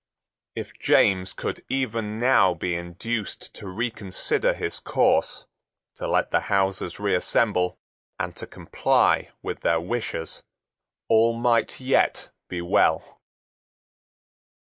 If James could even now be induced to reconsider his course, to let the Houses reassemble, and to comply with their wishes, all might yet be well.